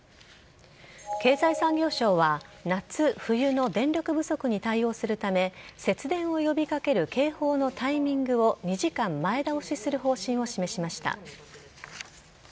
経済産業省は夏・冬の電力不足に対応するため節電を呼び掛ける警報のタイミングを２時間前倒しする方針を示しました。